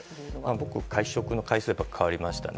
僕、会食の回数が変わりましたね。